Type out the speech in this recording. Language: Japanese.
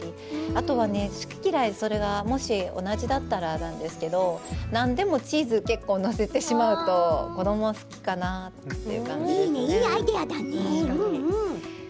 あとは好き嫌いが同じだったらなんですけど何でもチーズを結構載せてしまうと子どもは好きかなという感じで。